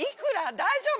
大丈夫？